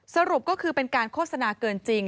สรุปก็คือเป็นการโฆษณาเกินจริง